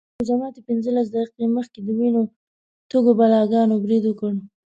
تر روژه ماتي پینځلس دقیقې مخکې د وینو تږو بلاګانو برید وکړ.